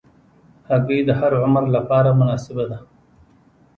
هګۍ د هر عمر لپاره مناسبه ده.